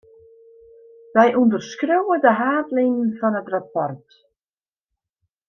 Wy ûnderskriuwe de haadlinen fan it rapport.